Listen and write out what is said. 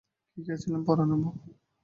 কী খেয়েছিলে পরাণের বৌ?